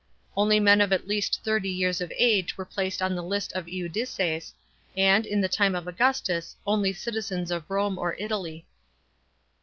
Only men of at least thirty years of age were placed on the list of iudices, and, in the time of Augustus, only citizens of Rome or Italy.